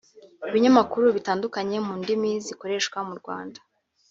ibinyamakuru bitandukanye mu ndimi zikoreshwa mu Rwanda